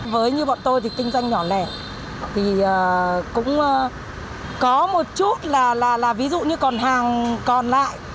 với như bọn tôi thì kinh doanh nhỏ lẻ thì cũng có một chút là ví dụ như còn hàng còn lại